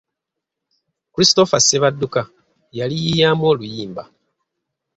Christopher Ssebadduka yaliyiiyamu oluyimba.